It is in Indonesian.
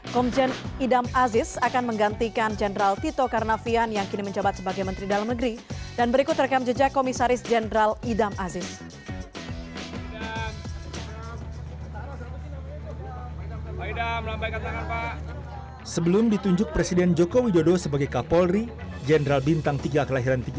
komjen idam aziz akan menggantikan jenderal tito karnavian yang kini menjabat sebagai menteri dalam negeri dan berikut rekam jejak komisaris jenderal idam aziz